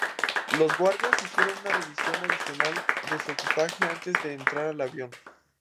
Los guardias hicieron una revisión adicional de su equipaje antes de entrar al avión.